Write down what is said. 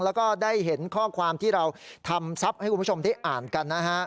แล้วก็ได้เห็นข้อความที่เราทำทรัพย์ให้คุณผู้ชมได้อ่านกันนะฮะ